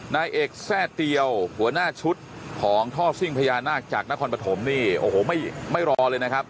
นายเอกแทร่เตียวหัวหน้าชุดของท่อซิ่งพญานาคจากนครปฐมนี่โอ้โหไม่รอเลยนะครับ